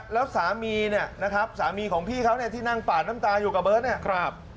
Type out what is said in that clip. แล้วสามีเนี่ยนะครับสามีของพี่เขาเนี่ยที่นั่งปาดน้ำตาอยู่กับเบิร์ตเนี่ยครับ